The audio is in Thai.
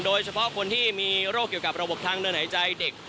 โดยเฉพาะคนที่มีโรคเกี่ยวกับระบบทางเดินหายใจเด็ก